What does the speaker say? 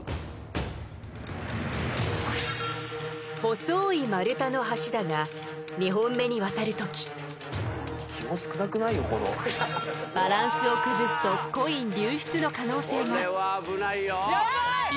細い丸太の橋だが２本目に渡る時バランスを崩すとコイン流出の可能性がヤバい！